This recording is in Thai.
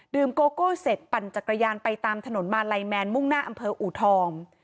โกโก้เสร็จปั่นจักรยานไปตามถนนมาลัยแมนมุ่งหน้าอำเภออูทอง